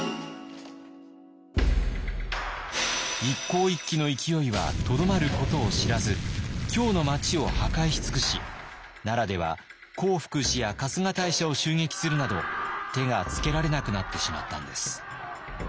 一向一揆の勢いはとどまることを知らず京の町を破壊し尽くし奈良では興福寺や春日大社を襲撃するなど手がつけられなくなってしまったんです。